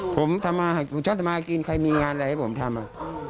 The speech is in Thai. ผมทำชอบทำมากินใครมีงานอะไรให้ผมทำ